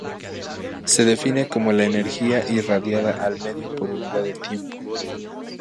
Se define como la energía irradiada al medio por unidad de tiempo.